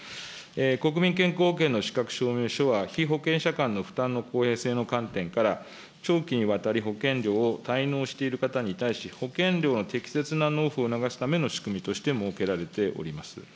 国民健康保険の資格証明書は、被保険者間の負担の公平性の観点から、長期にわたり保険料を滞納している方に対し、保険料の適切な納付を促すための仕組みとして設けられております。